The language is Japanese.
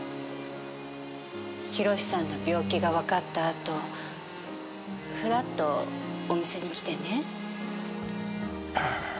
寛さんの病気が分かった後ふらっとお店に来てね。